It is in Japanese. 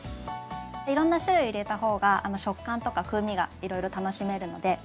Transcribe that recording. いろんな種類入れた方が食感とか風味がいろいろ楽しめるので。